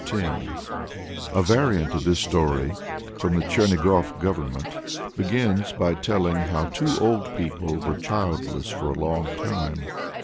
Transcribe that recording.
31.] A variant of this story (from the Chernigof Government) begins by telling how two old people were childless for a long time.